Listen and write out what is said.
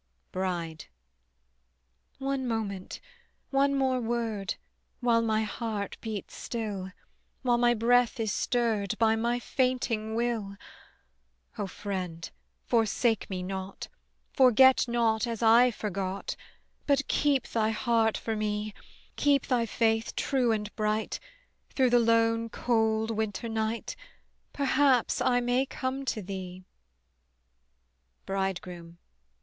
BRIDE. One moment, one more word, While my heart beats still, While my breath is stirred By my fainting will. O friend forsake me not, Forget not as I forgot: But keep thy heart for me, Keep thy faith true and bright; Through the lone cold winter night Perhaps I may come to thee. BRIDEGROOM.